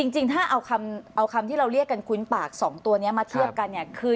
จริงถ้าเอาคำที่เราเรียกกันคุ้นปาก๒ตัวนี้มาเทียบกันเนี่ยคือ